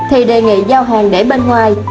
thì đề nghị giao hàng để bên ngoài